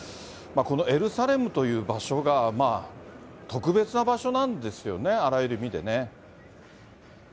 このエルサレムという場所が、特別な場所なんですよね、あらゆる意味でね。